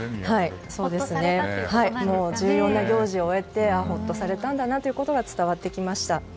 重要な行事を終えてほっとされたんだなということが伝わってきました。